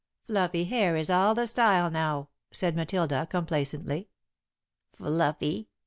"Fluffy hair is all the style now," said Matilda, complacently. "Fluffy!"